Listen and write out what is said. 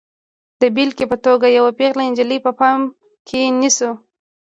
د بېلګې په توګه یوه پیغله نجلۍ په پام کې نیسو.